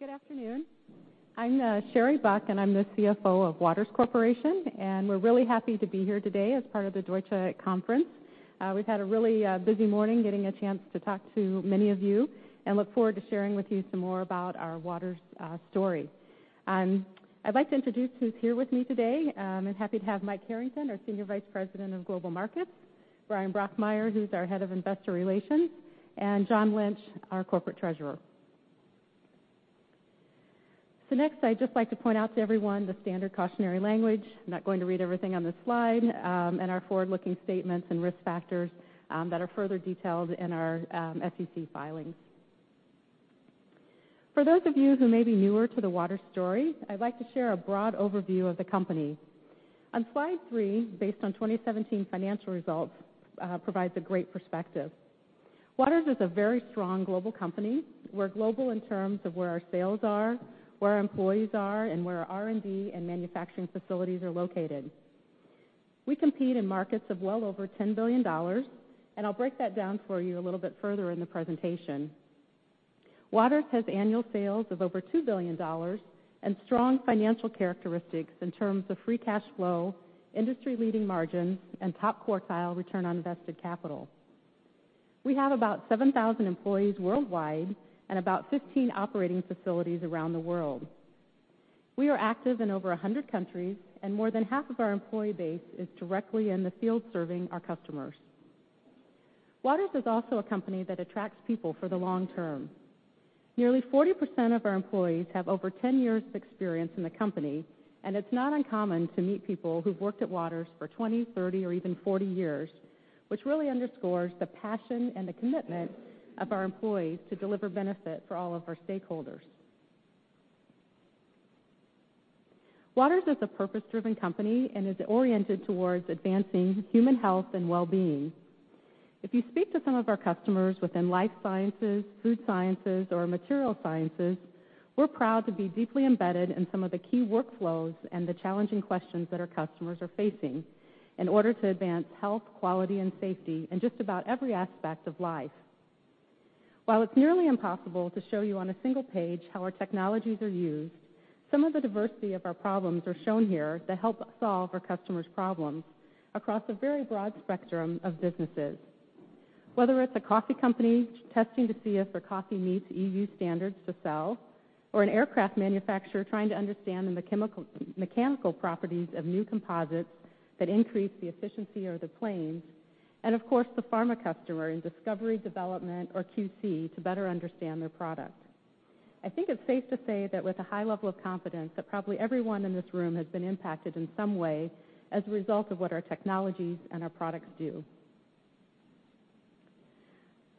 Good afternoon. I'm Sherry Buck, and I'm the CFO of Waters Corporation, and we're really happy to be here today as part of the Deutsche Conference. We've had a really busy morning, getting a chance to talk to many of you, and look forward to sharing with you some more about our Waters story. I'd like to introduce who's here with me today. I'm happy to have Mike Harrington, our Senior Vice President of Global Markets, Bryan Brokmeier, who's our Head of Investor Relations, and Jon Lynch, our Corporate Treasurer, so next I'd just like to point out to everyone the standard cautionary language. I'm not going to read everything on this slide, and our forward-looking statements and risk factors that are further detailed in our SEC filings. For those of you who may be newer to the Waters story, I'd like to share a broad overview of the company. On Slide three, based on 2017 financial results, provides a great perspective. Waters is a very strong global company. We're global in terms of where our sales are, where our employees are, and where our R&D and manufacturing facilities are located. We compete in markets of well over $10 billion, and I'll break that down for you a little bit further in the presentation. Waters has annual sales of over $2 billion and strong financial characteristics in terms of free cash flow, industry-leading margins, and top quartile return on invested capital. We have about 7,000 employees worldwide and about 15 operating facilities around the world. We are active in over 100 countries, and more than half of our employee base is directly in the field serving our customers. Waters is also a company that attracts people for the long-term. Nearly 40% of our employees have over 10 years of experience in the company, and it's not uncommon to meet people who've worked at Waters for 20, 30, or even 40 years, which really underscores the passion and the commitment of our employees to deliver benefit for all of our stakeholders. Waters is a purpose-driven company and is oriented towards advancing human health and well-being. If you speak to some of our customers within life sciences, food sciences, or material sciences, we're proud to be deeply embedded in some of the key workflows and the challenging questions that our customers are facing in order to advance health, quality, and safety in just about every aspect of life. While it's nearly impossible to show you on a single page how our technologies are used, some of the diversity of our problems are shown here to help solve our customers' problems across a very broad spectrum of businesses. Whether it's a coffee company testing to see if their coffee meets EU standards to sell, or an aircraft manufacturer trying to understand the mechanical properties of new composites that increase the efficiency of the planes, and of course, the pharma customer in discovery development or QC to better understand their product. I think it's safe to say that with a high level of confidence that probably everyone in this room has been impacted in some way as a result of what our technologies and our products do.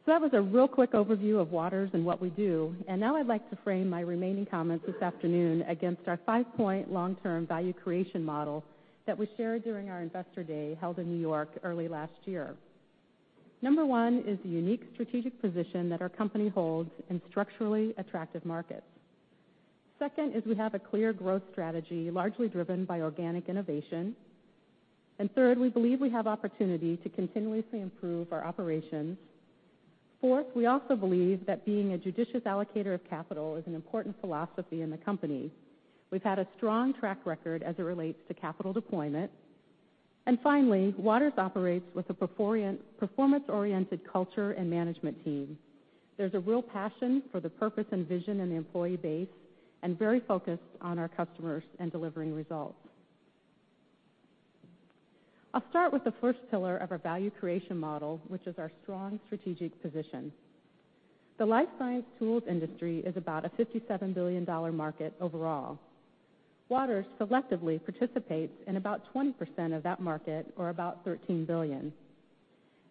So that was a real quick overview of Waters and what we do, and now I'd like to frame my remaining comments this afternoon against our five-point long-term value creation model that we shared during our Investor Day held in New York early last year. Number one is the unique strategic position that our company holds in structurally attractive markets. Second is we have a clear growth strategy largely driven by organic innovation. And third, we believe we have opportunity to continuously improve our operations. Fourth, we also believe that being a judicious allocator of capital is an important philosophy in the company. We've had a strong track record as it relates to capital deployment. And finally, Waters operates with a performance-oriented culture and management team. There's a real passion for the purpose and vision in the employee base and very focused on our customers and delivering results. I'll start with the first pillar of our value creation model, which is our strong strategic position. The life science tools industry is about a $57 billion market overall. Waters selectively participates in about 20% of that market, or about $13 billion.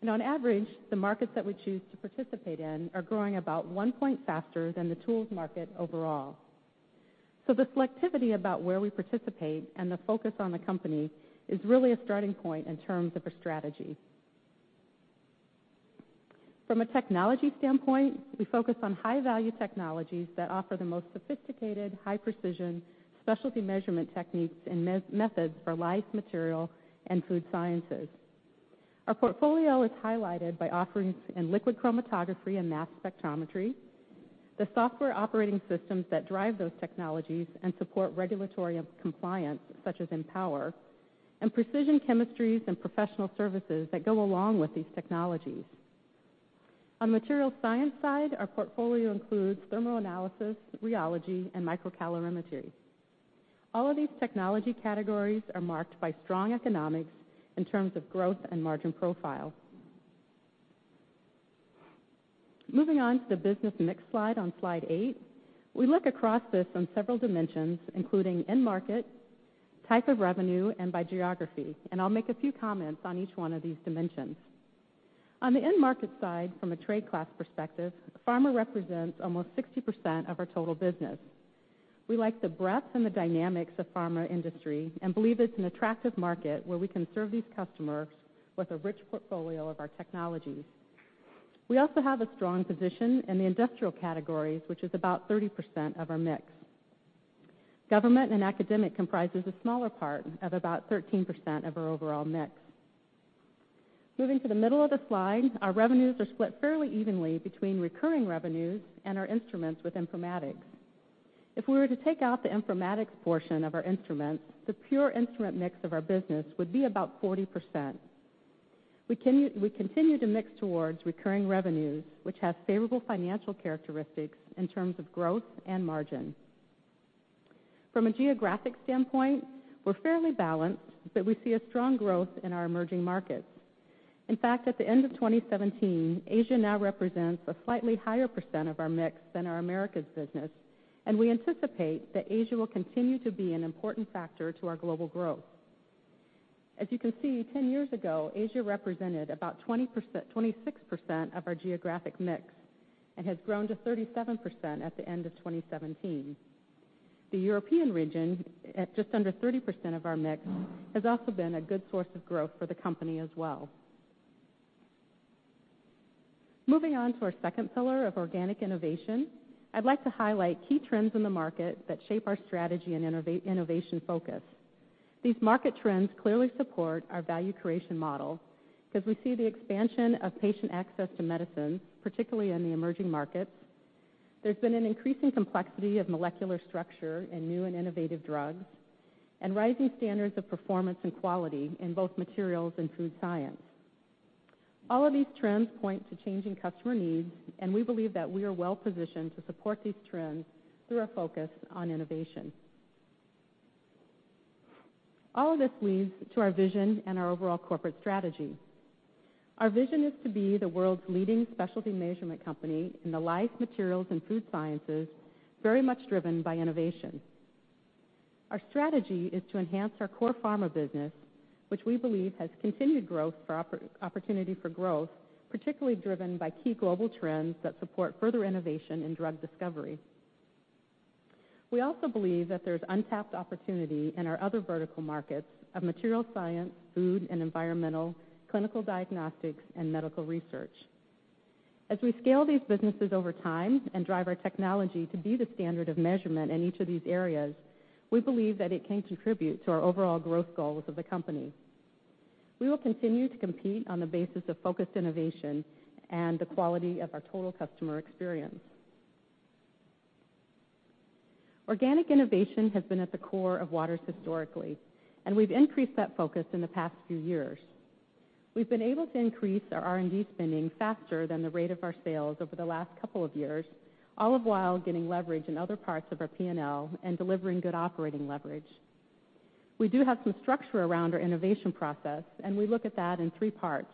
On average, the markets that we choose to participate in are growing about one point faster than the tools market overall. The selectivity about where we participate and the focus on the company is really a starting point in terms of our strategy. From a technology standpoint, we focus on high-value technologies that offer the most sophisticated, high-precision, specialty measurement techniques and methods for life material and food sciences. Our portfolio is highlighted by offerings in Liquid Chromatography and Mass Spectrometry, the software operating systems that drive those technologies and support regulatory compliance, such as Empower, and precision chemistries and professional services that go along with these technologies. On the materials science side, our portfolio includes thermal analysis, rheology, and microcalorimetry. All of these technology categories are marked by strong economics in terms of growth and margin profile. Moving on to the business mix slide on Slide eight, we look across this on several dimensions, including in-market, type of revenue, and by geography, and I'll make a few comments on each one of these dimensions. On the in-market side, from a trade class perspective, pharma represents almost 60% of our total business. We like the breadth and the dynamics of pharma industry and believe it's an attractive market where we can serve these customers with a rich portfolio of our technologies. We also have a strong position in the industrial categories, which is about 30% of our mix. Government and academic comprises a smaller part of about 13% of our overall mix. Moving to the middle of the slide, our revenues are split fairly evenly between recurring revenues and our instruments with informatics. If we were to take out the informatics portion of our instruments, the pure instrument mix of our business would be about 40%. We continue to mix towards recurring revenues, which has favorable financial characteristics in terms of growth and margin. From a geographic standpoint, we're fairly balanced, but we see a strong growth in our emerging markets. In fact, at the end of 2017, Asia now represents a slightly higher percent of our mix than our Americas business, and we anticipate that Asia will continue to be an important factor to our global growth. As you can see, 10 years ago, Asia represented about 26% of our geographic mix and has grown to 37% at the end of 2017. The European region, just under 30% of our mix, has also been a good source of growth for the company as well. Moving on to our second pillar of organic innovation, I'd like to highlight key trends in the market that shape our strategy and innovation focus. These market trends clearly support our value creation model because we see the expansion of patient access to medicines, particularly in the emerging markets. There's been an increasing complexity of molecular structure in new and innovative drugs and rising standards of performance and quality in both materials and food science. All of these trends point to changing customer needs, and we believe that we are well positioned to support these trends through our focus on innovation. All of this leads to our vision and our overall corporate strategy. Our vision is to be the world's leading specialty measurement company in the life materials and food sciences, very much driven by innovation. Our strategy is to enhance our core pharma business, which we believe has continued growth for opportunity for growth, particularly driven by key global trends that support further innovation in drug discovery. We also believe that there's untapped opportunity in our other vertical markets of materials science, food, and environmental, clinical diagnostics, and medical research. As we scale these businesses over time and drive our technology to be the standard of measurement in each of these areas, we believe that it can contribute to our overall growth goals of the company. We will continue to compete on the basis of focused innovation and the quality of our total customer experience. Organic innovation has been at the core of Waters historically, and we've increased that focus in the past few years. We've been able to increase our R&D spending faster than the rate of our sales over the last couple of years, all the while getting leverage in other parts of our P&L and delivering good operating leverage. We do have some structure around our innovation process, and we look at that in three parts,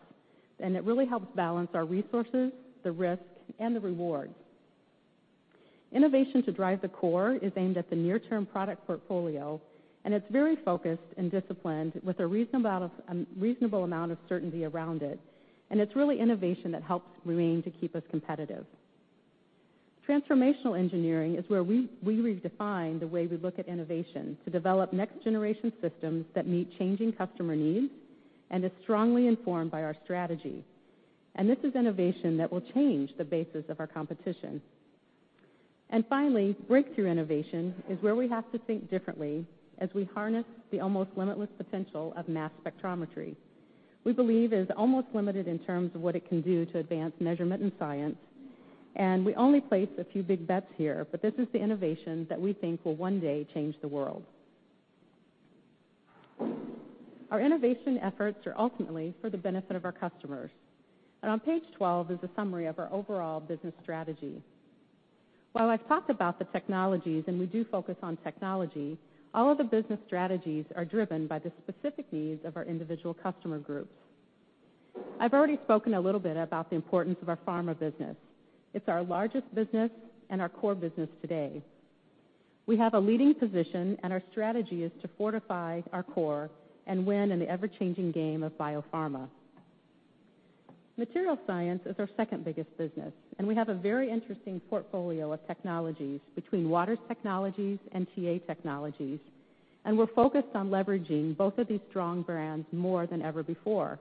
and it really helps balance our resources, the risk, and the rewards. Innovation to drive the core is aimed at the near-term product portfolio, and it's very focused and disciplined with a reasonable amount of certainty around it, and it's really innovation that helps remain to keep us competitive. Transformational engineering is where we redefine the way we look at innovation to develop next-generation systems that meet changing customer needs and is strongly informed by our strategy, and this is innovation that will change the basis of our competition, and finally, breakthrough innovation is where we have to think differently as we harness the almost limitless potential of Mass Spectrometry. We believe it is almost limitless in terms of what it can do to advance measurement and science, and we only place a few big bets here, but this is the innovation that we think will one day change the world. Our innovation efforts are ultimately for the benefit of our customers. On Page 12 is a summary of our overall business strategy. While I've talked about the technologies and we do focus on technology, all of the business strategies are driven by the specific needs of our individual customer groups. I've already spoken a little bit about the importance of our pharma business. It's our largest business and our core business today. We have a leading position, and our strategy is to fortify our core and win in the ever-changing game of biopharma. Material Science is our second biggest business, and we have a very interesting portfolio of technologies between Waters Technologies and TA Technologies, and we're focused on leveraging both of these strong brands more than ever before.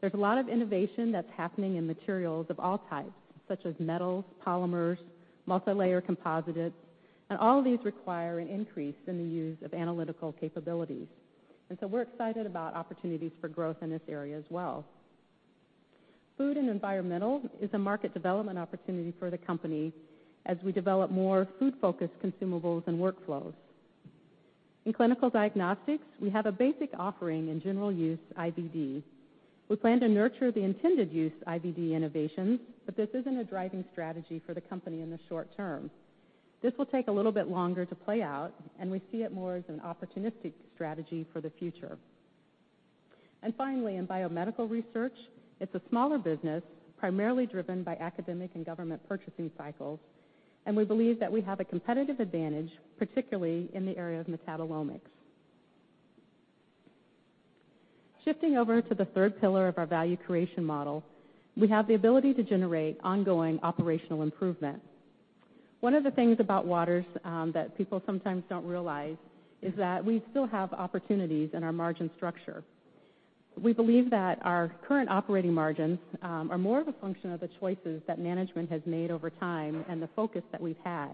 There's a lot of innovation that's happening in materials of all types, such as metals, polymers, multilayer composites, and all of these require an increase in the use of analytical capabilities. And so we're excited about opportunities for growth in this area as well. Food and environmental is a market development opportunity for the company as we develop more food-focused consumables and workflows. In clinical diagnostics, we have a basic offering in general use, IVD. We plan to nurture the intended use IVD innovations, but this isn't a driving strategy for the company in the short-term. This will take a little bit longer to play out, and we see it more as an opportunistic strategy for the future. And finally, in biomedical research, it's a smaller business, primarily driven by academic and government purchasing cycles, and we believe that we have a competitive advantage, particularly in the area of metabolomics. Shifting over to the third pillar of our value creation model, we have the ability to generate ongoing operational improvement. One of the things about Waters that people sometimes don't realize is that we still have opportunities in our margin structure. We believe that our current operating margins are more of a function of the choices that management has made over time and the focus that we've had,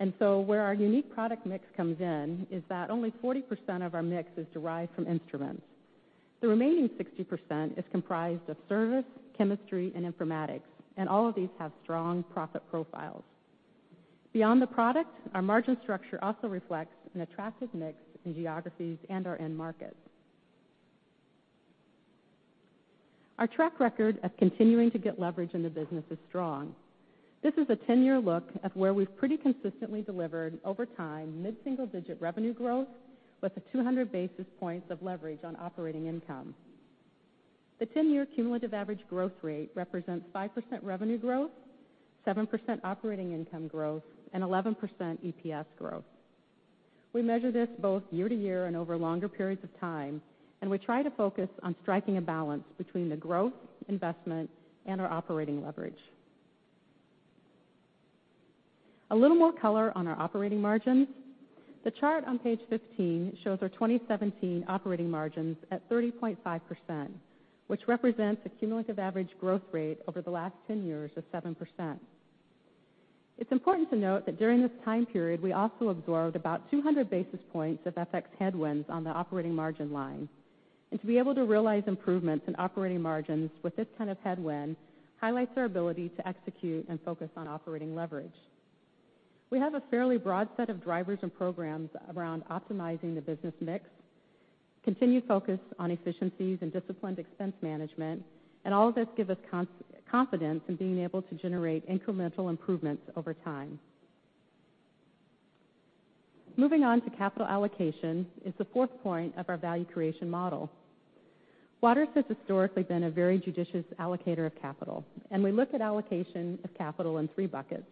and so where our unique product mix comes in is that only 40% of our mix is derived from instruments. The remaining 60% is comprised of service, chemistry, and informatics, and all of these have strong profit profiles. Beyond the product, our margin structure also reflects an attractive mix in geographies and our end markets. Our track record of continuing to get leverage in the business is strong. This is a 10-year look at where we've pretty consistently delivered over time mid-single-digit revenue growth with 200 basis points of leverage on operating income. The 10-year cumulative average growth rate represents 5% revenue growth, 7% operating income growth, and 11% EPS growth. We measure this both year-to-year and over longer periods of time, and we try to focus on striking a balance between the growth, investment, and our operating leverage. A little more color on our operating margins. The chart on page 15 shows our 2017 operating margins at 30.5%, which represents a cumulative average growth rate over the last 10 years of 7%. It's important to note that during this time period, we also absorbed about 200 basis points of FX headwinds on the operating margin line, and to be able to realize improvements in operating margins with this kind of headwind highlights our ability to execute and focus on operating leverage. We have a fairly broad set of drivers and programs around optimizing the business mix, continued focus on efficiencies and disciplined expense management, and all of this gives us confidence in being able to generate incremental improvements over time. Moving on to capital allocation is the fourth point of our value creation model. Waters has historically been a very judicious allocator of capital, and we look at allocation of capital in three buckets.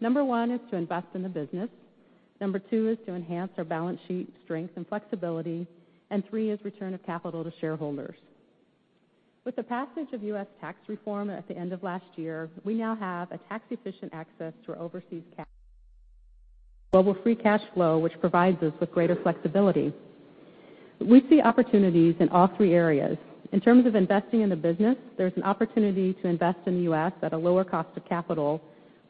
Number one is to invest in the business. Number two is to enhance our balance sheet strength and flexibility, and three is return of capital to shareholders. With the passage of U.S. tax reform at the end of last year, we now have a tax-efficient access to our overseas global free cash flow, which provides us with greater flexibility. We see opportunities in all three areas. In terms of investing in the business, there's an opportunity to invest in the U.S. at a lower cost of capital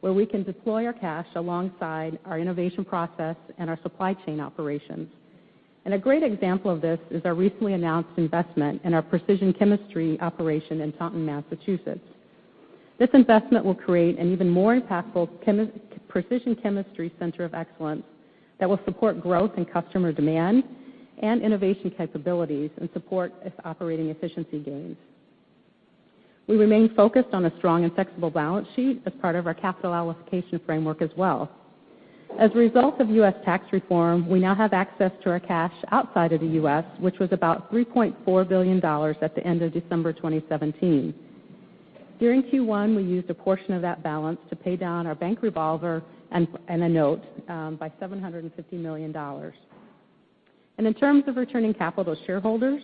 where we can deploy our cash alongside our innovation process and our supply chain operations, and a great example of this is our recently announced investment in our precision chemistry operation in Taunton, Massachusetts. This investment will create an even more impactful precision chemistry center of excellence that will support growth and customer demand and innovation capabilities and support its operating efficiency gains. We remain focused on a strong and flexible balance sheet as part of our capital allocation framework as well. As a result of U.S. tax reform, we now have access to our cash outside of the U.S., which was about $3.4 billion at the end of December 2017. During Q1, we used a portion of that balance to pay down our bank revolver and a note by $750 million. And in terms of returning capital to shareholders,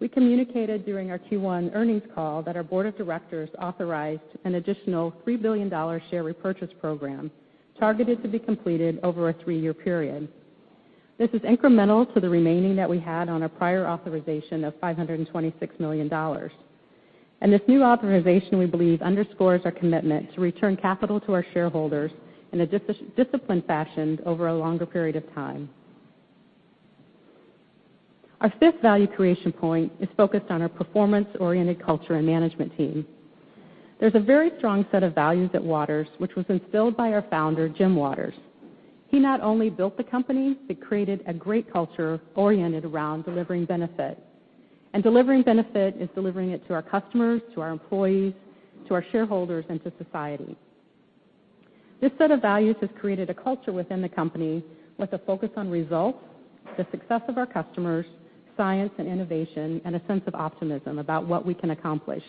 we communicated during our Q1 earnings call that our Board of Directors authorized an additional $3 billion share repurchase program targeted to be completed over a three-year period. This is incremental to the remaining that we had on our prior authorization of $526 million. And this new authorization, we believe, underscores our commitment to return capital to our shareholders in a disciplined fashion over a longer period of time. Our fifth value creation point is focused on our performance-oriented culture and management team. There's a very strong set of values at Waters, which was instilled by our founder, Jim Waters. He not only built the company, but created a great culture oriented around delivering benefit. And delivering benefit is delivering it to our customers, to our employees, to our shareholders, and to society. This set of values has created a culture within the company with a focus on results, the success of our customers, science and innovation, and a sense of optimism about what we can accomplish.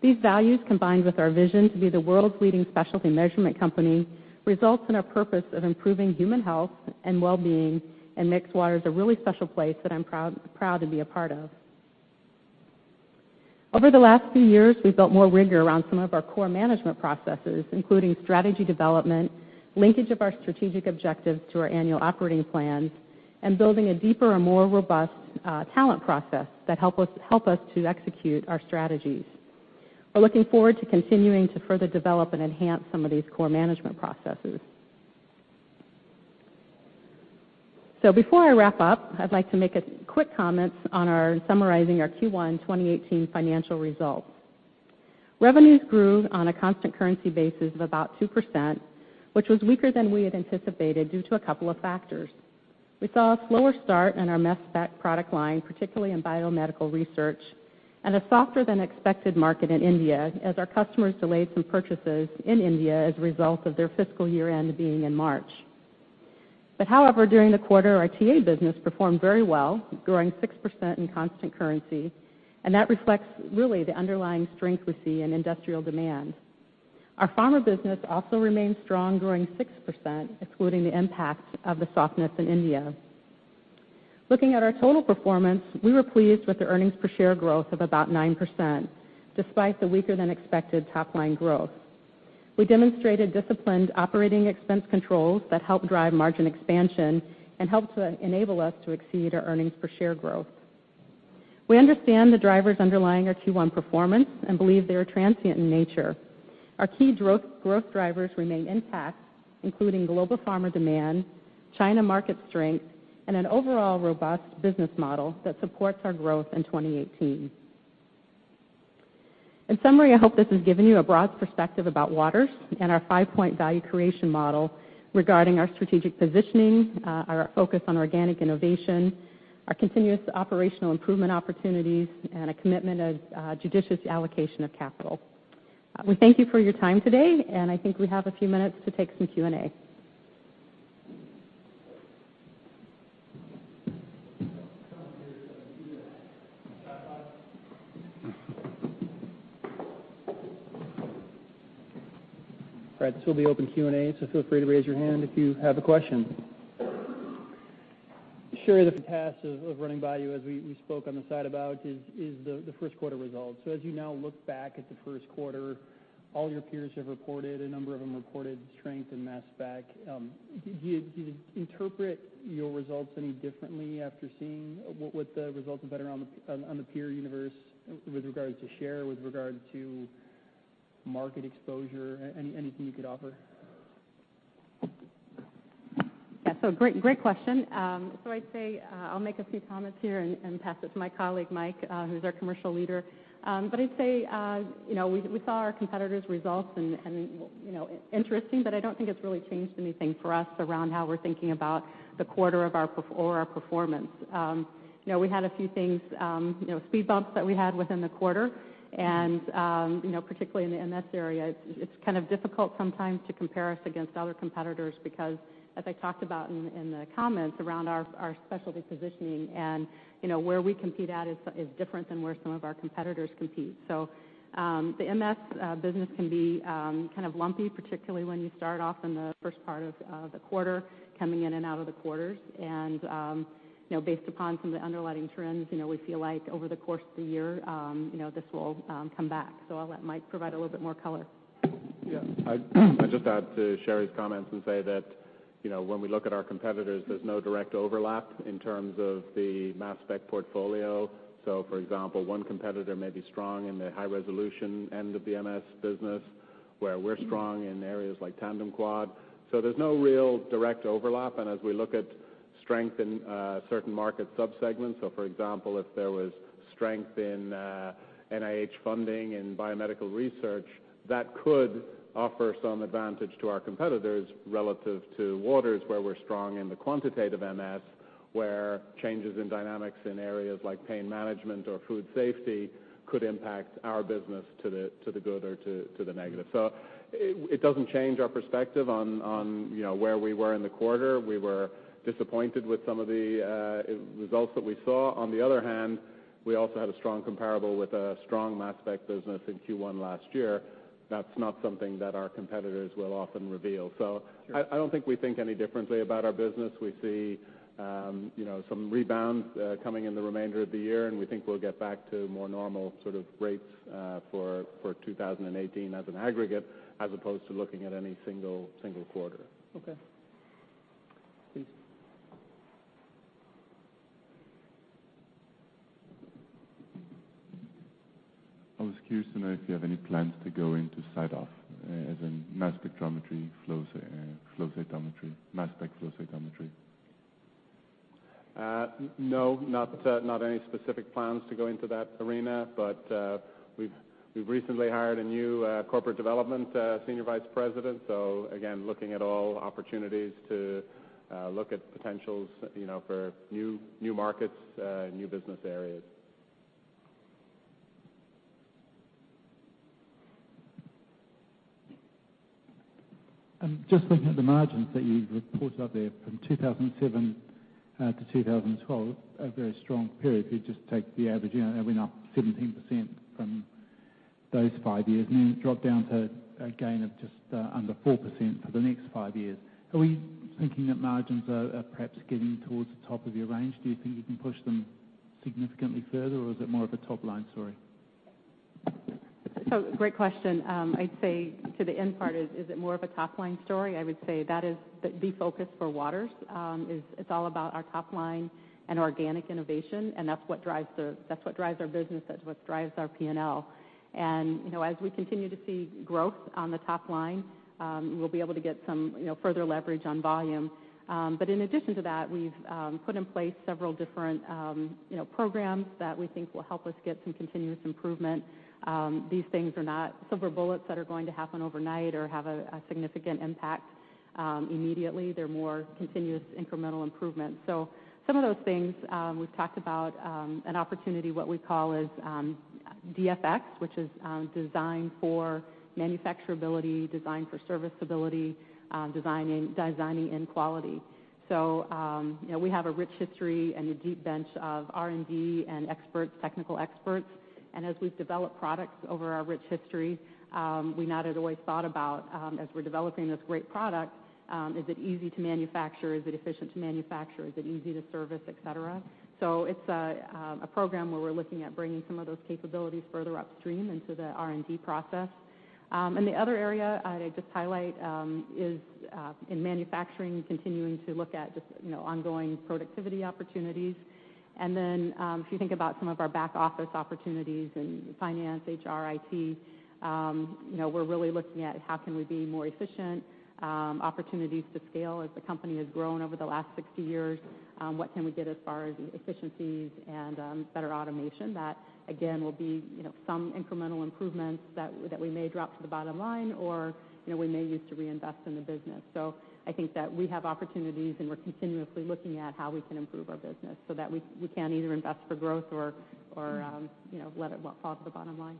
These values, combined with our vision to be the world's leading specialty measurement company, results in our purpose of improving human health and well-being, and makes Waters a really special place that I'm proud to be a part of. Over the last few years, we've built more rigor around some of our core management processes, including strategy development, linkage of our strategic objectives to our annual operating plans, and building a deeper and more robust talent process that helps us to execute our strategies. We're looking forward to continuing to further develop and enhance some of these core management processes. So before I wrap up, I'd like to make a quick comment on summarizing our Q1 2018 financial results. Revenues grew on a constant currency basis of about 2%, which was weaker than we had anticipated due to a couple of factors. We saw a slower start in our mass spec product line, particularly in biomedical research, and a softer-than-expected market in India as our customers delayed some purchases in India as a result of their fiscal year-end being in March. But however, during the quarter, our TA business performed very well, growing 6% in constant currency, and that reflects really the underlying strength we see in industrial demand. Our Pharma business also remained strong, growing 6%, excluding the impact of the softness in India. Looking at our total performance, we were pleased with the earnings per share growth of about 9%, despite the weaker-than-expected top-line growth. We demonstrated disciplined operating expense controls that helped drive margin expansion and helped to enable us to exceed our earnings per share growth. We understand the drivers underlying our Q1 performance and believe they are transient in nature. Our key growth drivers remain intact, including global pharma demand, China market strength, and an overall robust business model that supports our growth in 2018. In summary, I hope this has given you a broad perspective about Waters and our five-point value creation model regarding our strategic positioning, our focus on organic innovation, our continuous operational improvement opportunities, and a commitment of judicious allocation of capital. We thank you for your time today, and I think we have a few minutes to take some Q&A. All right, this will be open Q&A, so feel free to raise your hand if you have a question. Sure. Thanks for running this by you as we spoke on the side about the first quarter results. So as you now look back at the first quarter, all your peers have reported, a number of them reported strength in mass spec. Do you interpret your results any differently after seeing what the results have been around the peer universe with regards to share, with regards to market exposure, anything you could offer? Yeah, so great question. So I'd say I'll make a few comments here and pass it to my colleague, Mike, who's our commercial leader. But I'd say we saw our competitors' results, and interesting, but I don't think it's really changed anything for us around how we're thinking about the quarter or our performance. We had a few things, speed bumps that we had within the quarter, and particularly in the MS area, it's kind of difficult sometimes to compare us against other competitors because, as I talked about in the comments around our specialty positioning and where we compete at is different than where some of our competitors compete. So the MS business can be kind of lumpy, particularly when you start off in the first part of the quarter, coming in and out of the quarters. Based upon some of the underlying trends, we feel like over the course of the year, this will come back. I'll let Mike provide a little bit more color. Yeah, I just add to Sherry's comments and say that when we look at our competitors, there's no direct overlap in terms of the mass spec portfolio. So for example, one competitor may be strong in the high-resolution end of the MS business, where we're strong in areas like tandem quad. So there's no real direct overlap. And as we look at strength in certain market subsegments, so for example, if there was strength in NIH funding in biomedical research, that could offer some advantage to our competitors relative to Waters, where we're strong in the quantitative MS, where changes in dynamics in areas like pain management or food safety could impact our business to the good or to the negative. So it doesn't change our perspective on where we were in the quarter. We were disappointed with some of the results that we saw. On the other hand, we also had a strong comparable with a strong mass spec business in Q1 last year. That's not something that our competitors will often reveal. So I don't think we think any differently about our business. We see some rebound coming in the remainder of the year, and we think we'll get back to more normal sort of rates for 2018 as an aggregate, as opposed to looking at any single quarter. Okay. Please. I was curious to know if you have any plans to go into CyTOF as a Mass Spectrometry flow cytometry, mass spec flow cytometry? No, not any specific plans to go into that arena, but we've recently hired a new corporate development senior vice president. So again, looking at all opportunities to look at potentials for new markets, new business areas. Just looking at the margins that you've reported up there from 2007-2012, a very strong period. If you just take the average in, we're now 17% from those five years, and then it dropped down to a gain of just under 4% for the next five years. Are we thinking that margins are perhaps getting towards the top of your range? Do you think you can push them significantly further, or is it more of a top-line story? So great question. I'd say to the end part, is it more of a top-line story? I would say that is the focus for Waters. It's all about our top-line and organic innovation, and that's what drives our business. That's what drives our P&L. And as we continue to see growth on the top line, we'll be able to get some further leverage on volume. But in addition to that, we've put in place several different programs that we think will help us get some continuous improvement. These things are not silver bullets that are going to happen overnight or have a significant impact immediately. They're more continuous incremental improvements. So some of those things we've talked about, an opportunity, what we call is DFX, which is design for manufacturability, design for serviceability, designing in quality. So we have a rich history and a deep bench of R&D and experts, technical experts. And as we've developed products over our rich history, we've not always thought about, as we're developing this great product, is it easy to manufacture? Is it efficient to manufacture? Is it easy to service, etc.? So it's a program where we're looking at bringing some of those capabilities further upstream into the R&D process. And the other area I'd just highlight is in manufacturing, continuing to look at just ongoing productivity opportunities. And then if you think about some of our back office opportunities in finance, HR, IT, we're really looking at how can we be more efficient, opportunities to scale as the company has grown over the last 60 years, what can we get as far as efficiencies and better automation that, again, will be some incremental improvements that we may drop to the bottom line or we may use to reinvest in the business. So I think that we have opportunities, and we're continuously looking at how we can improve our business so that we can either invest for growth or let it fall to the bottom line.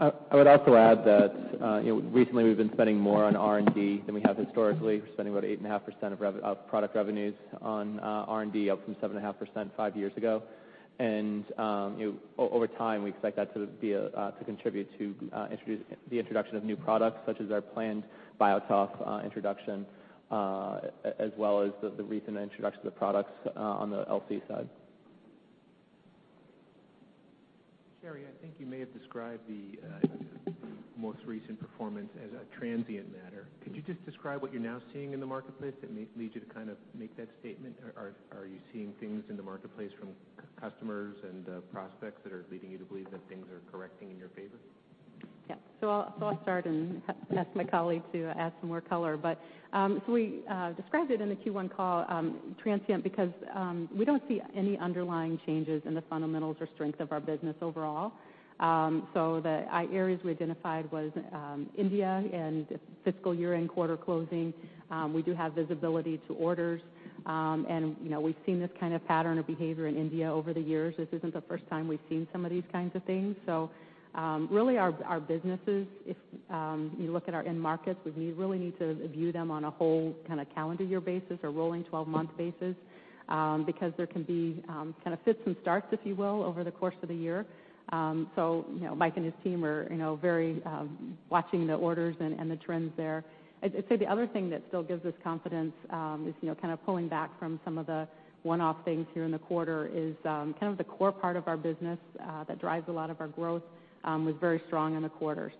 I would also add that recently we've been spending more on R&D than we have historically. We're spending about 8.5% of product revenues on R&D up from 7.5% five years ago, and over time, we expect that to contribute to the introduction of new products, such as our planned BioAccord introduction, as well as the recent introduction of the products on the LC side. Sherry, I think you may have described the most recent performance as a transient matter. Could you just describe what you're now seeing in the marketplace that may lead you to kind of make that statement? Are you seeing things in the marketplace from customers and prospects that are leading you to believe that things are correcting in your favor? Yeah. So I'll start and ask my colleague to add some more color. But so we described it in the Q1 call transient because we don't see any underlying changes in the fundamentals or strength of our business overall. So the areas we identified were India and fiscal year-end quarter closing. We do have visibility to orders, and we've seen this kind of pattern of behavior in India over the years. This isn't the first time we've seen some of these kinds of things. So really, our businesses, if you look at our end markets, we really need to view them on a whole kind of calendar year basis or rolling 12-month basis because there can be kind of fits and starts, if you will, over the course of the year. So Mike and his team are very watching the orders and the trends there. I'd say the other thing that still gives us confidence is kind of pulling back from some of the one-off things here in the quarter is kind of the core part of our business that drives a lot of our growth was very strong in the quarter.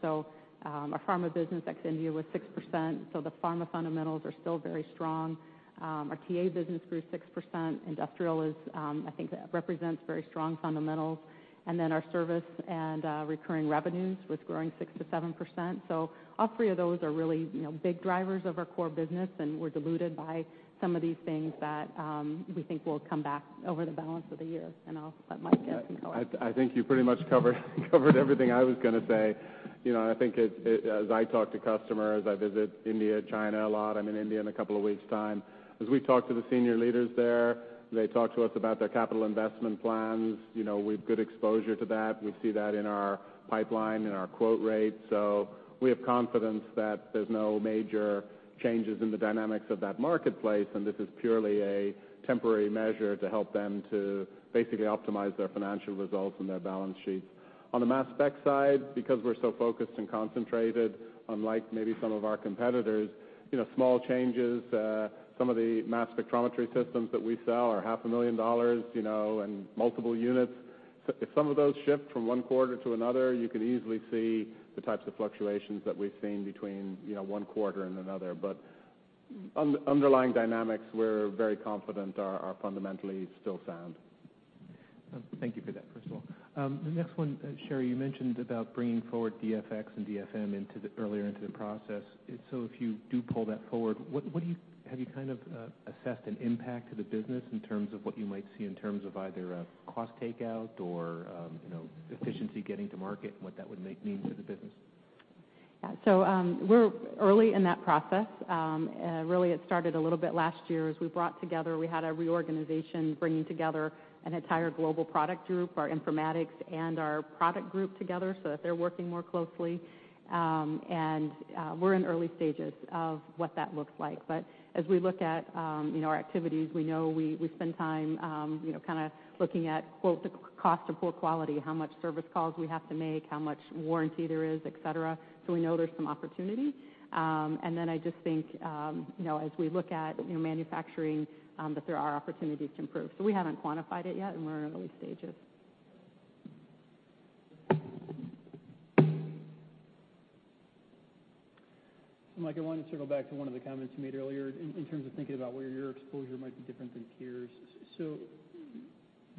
Our pharma business ex India was 6%. The pharma fundamentals are still very strong. Our TA business grew 6%. Industrial is, I think, represents very strong fundamentals. Our service and recurring revenues was growing 6%-7%. All three of those are really big drivers of our core business, and we're diluted by some of these things that we think will come back over the balance of the year. I'll let Mike get some color. I think you pretty much covered everything I was going to say. I think as I talk to customers, I visit India, China a lot. I'm in India in a couple of weeks' time. As we talk to the senior leaders there, they talk to us about their capital investment plans. We have good exposure to that. We see that in our pipeline, in our quote rate. So we have confidence that there's no major changes in the dynamics of that marketplace, and this is purely a temporary measure to help them to basically optimize their financial results and their balance sheets. On the Mass Spec side, because we're so focused and concentrated, unlike maybe some of our competitors, small changes, some of the Mass Spectrometry systems that we sell are $500,000 and multiple units. If some of those shift from one quarter to another, you can easily see the types of fluctuations that we've seen between one quarter and another. But underlying dynamics, we're very confident are fundamentally still sound. Thank you for that, first of all. The next one, Sherry, you mentioned about bringing forward DFX and DFM earlier into the process. So if you do pull that forward, have you kind of assessed an impact to the business in terms of what you might see in terms of either cost takeout or efficiency getting to market and what that would mean for the business? Yeah. So we're early in that process. Really, it started a little bit last year as we brought together, we had a reorganization bringing together an entire global product group, our informatics, and our product group together so that they're working more closely. And we're in early stages of what that looks like. But as we look at our activities, we know we spend time kind of looking at, quote, "the cost of poor quality," how much service calls we have to make, how much warranty there is, etc. So we know there's some opportunity. And then I just think as we look at manufacturing, that there are opportunities to improve. So we haven't quantified it yet, and we're in early stages. Mike, I wanted to circle back to one of the comments you made earlier in terms of thinking about where your exposure might be different than peers. So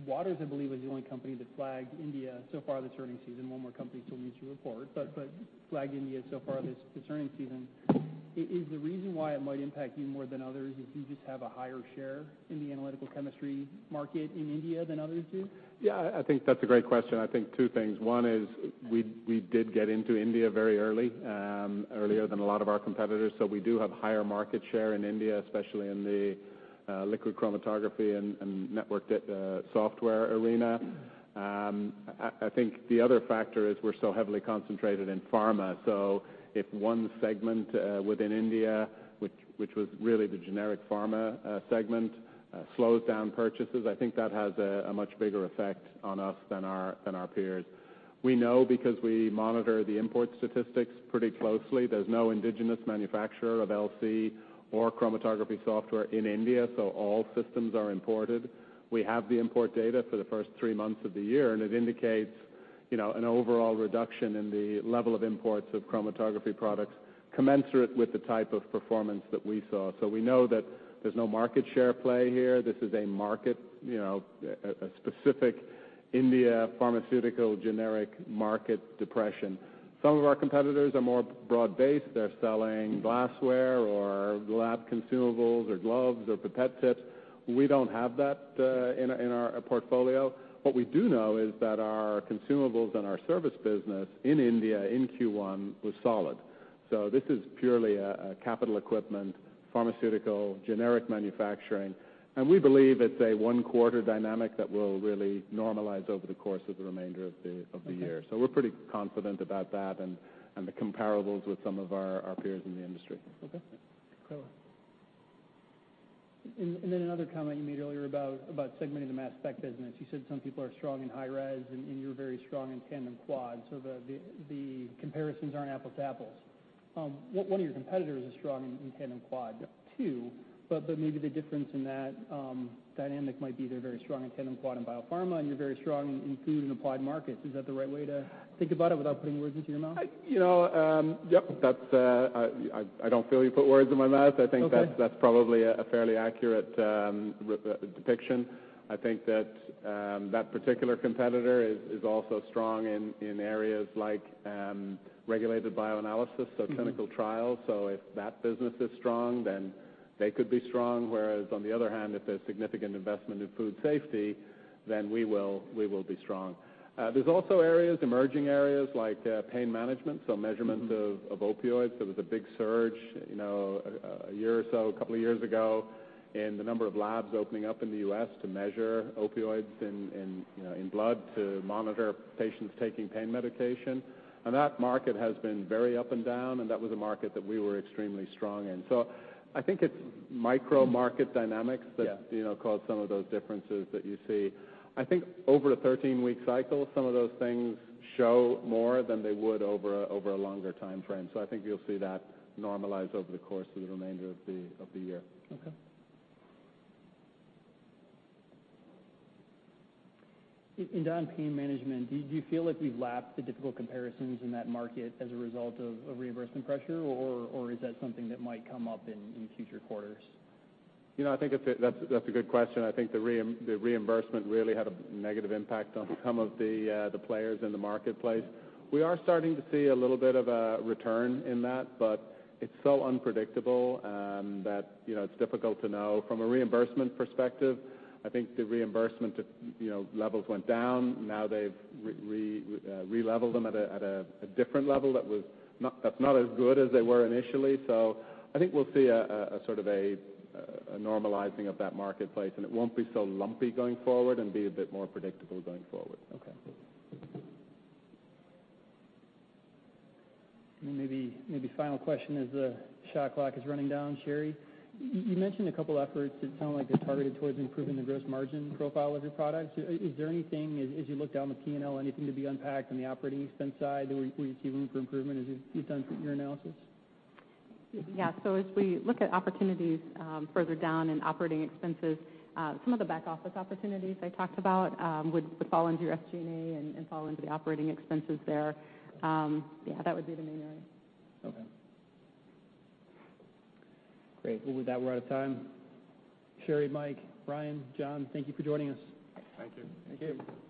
Waters, I believe, is the only company that flagged India so far this earnings season. One more company still needs to report, but flagged India so far this earnings season. Is the reason why it might impact you more than others if you just have a higher share in the analytical chemistry market in India than others do? Yeah, I think that's a great question. I think two things. One is we did get into India very early, earlier than a lot of our competitors. So we do have higher market share in India, especially in the Liquid Chromatography and networked software arena. I think the other factor is we're so heavily concentrated in pharma. So if one segment within India, which was really the generic pharma segment, slows down purchases, I think that has a much bigger effect on us than our peers. We know because we monitor the import statistics pretty closely. There's no indigenous manufacturer of LC or chromatography software in India, so all systems are imported. We have the import data for the first three months of the year, and it indicates an overall reduction in the level of imports of chromatography products commensurate with the type of performance that we saw. So we know that there's no market share play here. This is a market, a specific India pharmaceutical generic market depression. Some of our competitors are more broad-based. They're selling glassware or lab consumables or gloves or pipette tips. We don't have that in our portfolio. What we do know is that our consumables and our service business in India in Q1 was solid. So this is purely a capital equipment, pharmaceutical, generic manufacturing. And we believe it's a one-quarter dynamic that will really normalize over the course of the remainder of the year. So we're pretty confident about that and the comparables with some of our peers in the industry. Okay. And then another comment you made earlier about segmenting the mass spec business. You said some people are strong in high-res and you're very strong in tandem quad. So the comparisons aren't apples to apples. One of your competitors is strong in tandem quad. Two, but maybe the difference in that dynamic might be they're very strong in tandem quad and biopharma, and you're very strong in food and applied markets. Is that the right way to think about it without putting words into your mouth? Yep. I don't feel you put words in my mouth. I think that's probably a fairly accurate depiction. I think that that particular competitor is also strong in areas like regulated bioanalysis, so clinical trials. So if that business is strong, then they could be strong. Whereas, on the other hand, if there's significant investment in food safety, then we will be strong. There's also emerging areas like pain management, so measurement of opioids. There was a big surge a year or so, a couple of years ago, in the number of labs opening up in the U.S. to measure opioids in blood to monitor patients taking pain medication. And that market has been very up and down, and that was a market that we were extremely strong in. So I think it's micro market dynamics that cause some of those differences that you see. I think over a 13-week cycle, some of those things show more than they would over a longer-time frame. So I think you'll see that normalize over the course of the remainder of the year. Okay. In that pain management, do you feel like we've lapped the difficult comparisons in that market as a result of reimbursement pressure, or is that something that might come up in future quarters? I think that's a good question. I think the reimbursement really had a negative impact on some of the players in the marketplace. We are starting to see a little bit of a return in that, but it's so unpredictable that it's difficult to know. From a reimbursement perspective, I think the reimbursement levels went down. Now they've releveled them at a different level that's not as good as they were initially. So I think we'll see a sort of a normalizing of that marketplace, and it won't be so lumpy going forward and be a bit more predictable going forward. Okay. Maybe final question as the shot clock is running down, Sherry. You mentioned a couple of efforts that sound like they're targeted towards improving the gross margin profile of your products. Is there anything, as you look down the P&L, anything to be unpacked on the operating expense side where you see room for improvement as you've done your analysis? Yeah. So as we look at opportunities further down in operating expenses, some of the back office opportunities I talked about would fall into your SG&A and fall into the operating expenses there. Yeah, that would be the main area. Okay. Great. Well, with that, we're out of time. Sherry, Mike, Bryan, Jon, thank you for joining us. Thank you. Thank you.